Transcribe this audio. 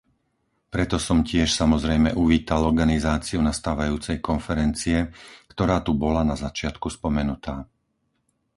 Preto som tiež samozrejme uvítal organizáciu nastávajúcej konferencie, ktorá tu bola na začiatku spomenutá.